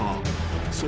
［そう。